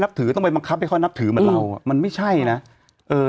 ถือต้องไปบังคับให้เขานับถือเหมือนเราอ่ะมันไม่ใช่นะเออ